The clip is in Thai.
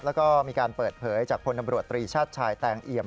แล้วก็มีการเปิดเผยจากพลตำรวจตรีชาติชายแตงเอี่ยม